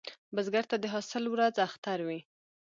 بزګر ته د حاصل ورځ اختر وي